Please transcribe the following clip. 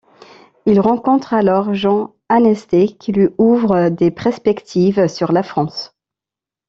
Il rencontre alors Jean Annestay qui lui ouvre des perspectives sur la France.